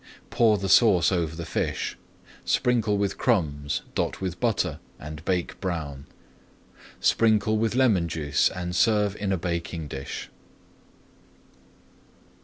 Pour the sauce over the fish, sprinkle with crumbs, dot with butter, and bake brown. Sprinkle with lemon juice and serve in a baking dish.